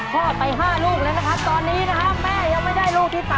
อดไป๕ลูกเลยนะครับตอนนี้นะครับแม่ยังไม่ได้ลูกที่๓